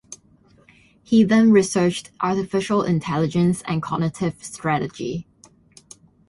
He then researched artificial intelligence and cognitive strategy.